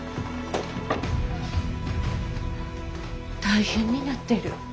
大変になってる。